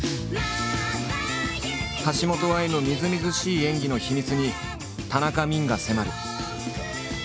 橋本愛のみずみずしい演技の秘密に田中泯が迫る。